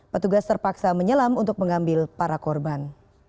petugas terpaksa menyelam untuk mengambil para korban